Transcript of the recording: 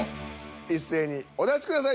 一斉にお出しください。